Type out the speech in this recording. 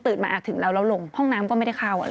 ตื่นมาอาจถึงแล้วเราลงห้องน้ำก็ไม่ได้เข้า